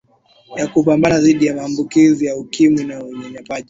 ya kupambana dhidi ya maambukizi ya ukimwi na unyanyapaji